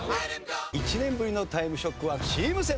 １年ぶりの『タイムショック』はチーム戦です。